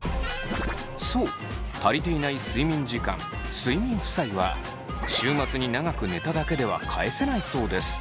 そう足りていない睡眠時間睡眠負債は週末に長く寝ただけでは返せないそうです。